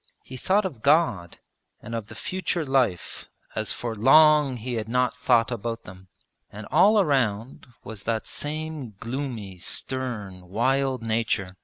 He thought of God and of the future life as for long he had not thought about them. And all around was that same gloomy stern wild nature.